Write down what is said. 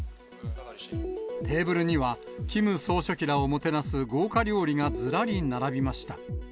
テーブルには、キム総書記らをもてなす豪華料理がずらり並びました。